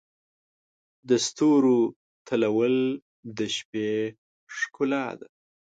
د ستورو تلؤل د شپې ښکلا ده.